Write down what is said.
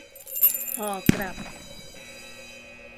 ห่อกลับ